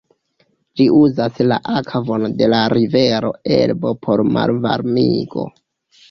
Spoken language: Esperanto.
Ĝi uzas la akvon de la rivero Elbo por malvarmigo.